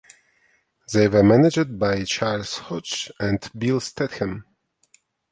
They were managed by Charles Hodge and Bill Statham.